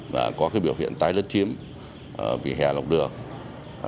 và có biểu hiện tái lất chiếm vì hè lòng đường